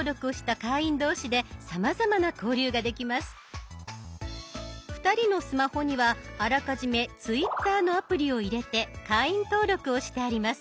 ２人のスマホにはあらかじめツイッターのアプリを入れて会員登録をしてあります。